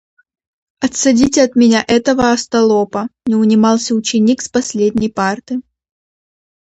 "Отсадите от меня этого остолопа!" - не унимался ученик с последней парты.